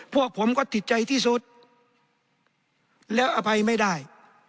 พวกผมก็ติดใจที่สุดแล้วอภัยไม่ได้